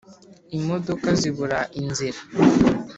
Imodoka zibura inzira